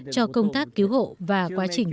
cho công tác cứu hộ và quá trình